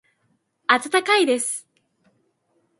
温かいです。